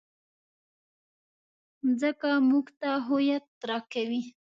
مځکه موږ ته هویت راکوي.